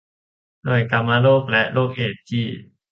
หน่วยกามโรคและโรคเอดส์ที่